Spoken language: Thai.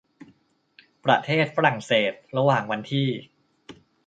ประเทศฝรั่งเศส ระหว่างวันที่